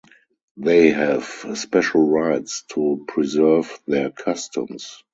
They have special rights to preserve their customs.